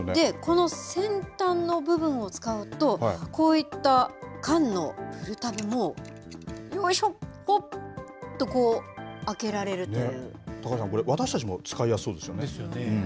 この先端の部分を使うとこういった缶のタブも、高橋さん、これ、私たちも使いやすそうですよね。